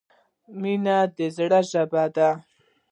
مینه د زړه ژبه ده.